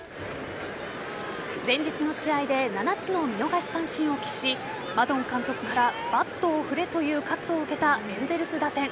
前日の試合で７つの見逃し三振を喫しマドン監督からバットを振れという喝を受けたエンゼルス打線。